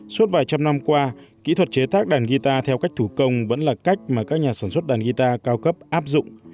suốt vài trăm năm qua kỹ thuật chế tác đàn guitar theo cách thủ công vẫn là cách mà các nhà sản xuất đàn guitar cao cấp áp dụng